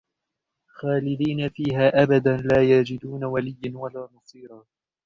خالدين فيها أبدا لا يجدون وليا ولا نصيرا